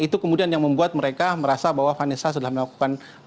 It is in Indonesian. itu kemudian yang membuat mereka merasa bahwa vanessa sudah melakukan